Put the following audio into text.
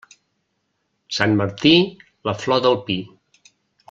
Sant Martí, la flor del pi.